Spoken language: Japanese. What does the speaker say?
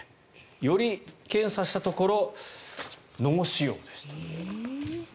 より検査したところ脳腫瘍でした。